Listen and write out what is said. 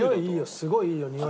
すごいいいよにおいは。